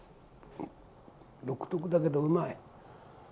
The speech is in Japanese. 独特だけど、うまい。